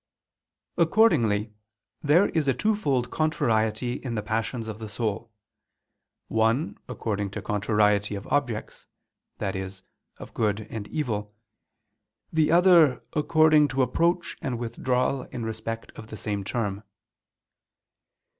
Accordingly there is a twofold contrariety in the passions of the soul: one, according to contrariety of objects, i.e. of good and evil; the other, according to approach and withdrawal in respect of the same term.